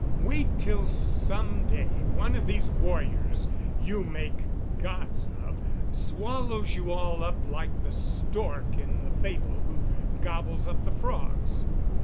Wait till some day one of these warriors you make gods of swallows you all up like the stork in the fable who gobbles up the frogs.